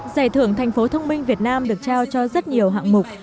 giải thưởng thành phố thông minh việt nam được trao cho rất nhiều hạng mục